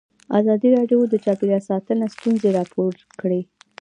ازادي راډیو د چاپیریال ساتنه ستونزې راپور کړي.